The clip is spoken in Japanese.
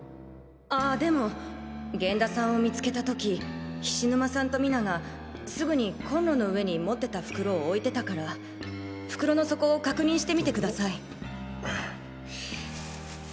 ああでも源田さんを見つけたとき菱沼さんと水菜がすぐにコンロの上に持ってた袋を置いてたから袋の底を確認してみてください。